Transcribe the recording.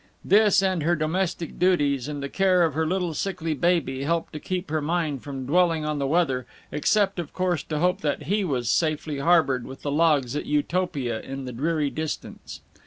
This, and her domestic duties, and the care of her little sickly baby, helped to keep her mind from dwelling on the weather, except, of course, to hope that he was safely harbored with the logs at Utopia in the dreary distance.